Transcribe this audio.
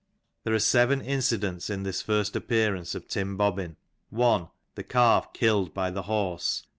There are seven incidents in this first appearance of Tim Bobbin : 1. The calf killed by the horse.